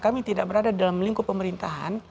kami tidak berada dalam lingkup pemerintahan